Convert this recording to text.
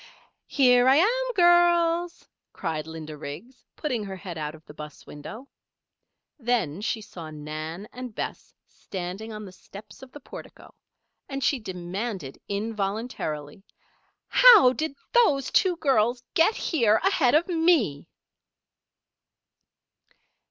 "Here I am, girls!" cried Linda Riggs, putting her head out of the 'bus window. Then she saw Nan and Bess standing on the steps of the portico, and she demanded involuntarily: "How did those two girls get here ahead of me?"